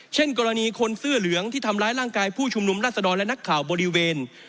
เช่นกรณีคนเสื้อเหลืองที่ทำร้ายร่างกายผู้ชุมนุมราชดรและนักข่าวบริเวณ